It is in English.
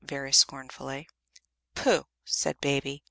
very scornfully. "Pooh!" said Baby.